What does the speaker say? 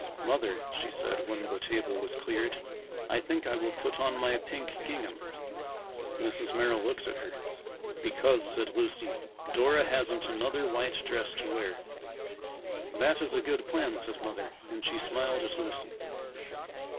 "Mother," she said when the table was cleared, "I think I will put on my pink gingham." Mrs. Merrill looked at her. "Because," said Lucy, "Dora hasn't another white dress to wear." "That is a good plan," said Mother, and she smiled at Lucy.